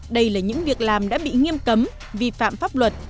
đây là những việc làm đã bị nghiêm cấm vi phạm pháp luật